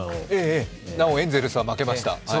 ええ、なおエンゼルスは負けました。